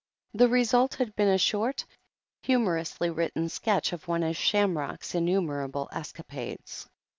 The result had been a short, humorously written sketch of one of Shamrock's innumerable escapades.